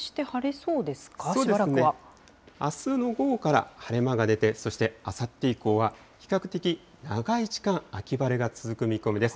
そうですね、あすの午後から晴れ間が出て、そしてあさって以降は、比較的長い時間、秋晴れが続く見込みです。